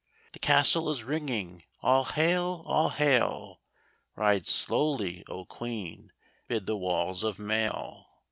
The Castle is ringing, " All hail ! all hail !" Ride slowly, O, Queen ! 'mid the walls of mail.